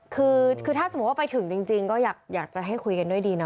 คือถ้าสมมุติว่าไปถึงจริงก็อยากจะให้คุยกันด้วยดีนะ